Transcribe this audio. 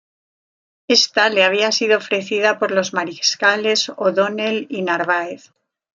Esta le había sido ofrecida por los mariscales O'Donnell y Narváez.